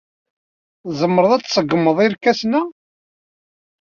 Tzemreḍ ad tṣeggmeḍ irkasen-a?